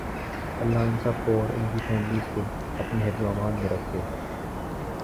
لله ان سب کو اور انکی فیملیز کو اپنے حفظ و امان میں رکھے